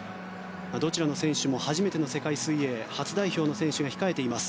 どちらの選手も初めての世界水泳初代表の選手が控えています。